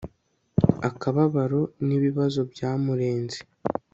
akababaro nibibazo byamurenze